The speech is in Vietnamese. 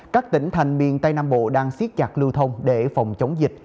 các tỉnh thành miền tây nam bộ đang siết chặt lưu thông để phòng chống dịch